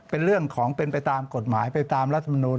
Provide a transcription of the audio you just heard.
เป็นเรื่องของเป็นไปตามกฎหมายไปตามรัฐมนูล